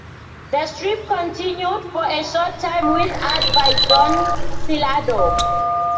The strip continued for a short time with art by John Celardo.